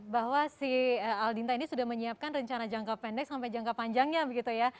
bahwa si aldinta ini sudah menyiapkan rencana jangka pendek sampai jangka panjangnya begitu ya